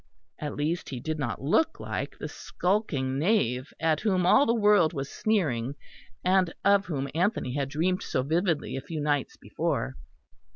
At least he did not look like the skulking knave at whom all the world was sneering, and of whom Anthony had dreamt so vividly a few nights before.